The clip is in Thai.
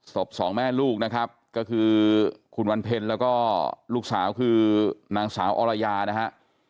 สองแม่ลูกนะครับก็คือคุณวันเพ็ญแล้วก็ลูกสาวคือนางสาวอรยานะฮะ